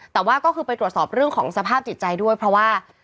แต่ว่าก็คือไปตรวจสอบเรื่องของสภาพจิตใจด้วยเพราะว่า